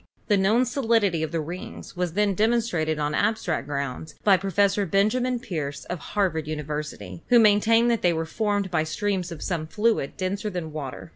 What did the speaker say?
The known solidity of the rings was then demonstrated on abstract grounds by Professor Ben jamin Peirce of Harvard University, who maintained that they were formed by streams of some fluid denser than water.